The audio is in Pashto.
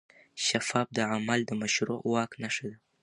شفاف عمل د مشروع واک نښه ده.